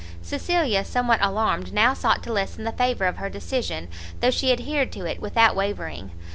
Cecilia, somewhat alarmed, now sought to lessen the favour of her decision, though she adhered to it without wavering.